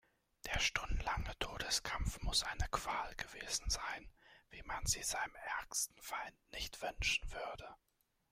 Der stundenlange Todeskampf muss eine Qual gewesen sein, wie man sie seinem ärgsten Feind nicht wünschen würde.